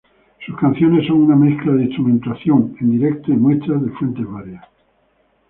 Sus canciones son una mezcla de instrumentación en directo y muestras de fuentes varias.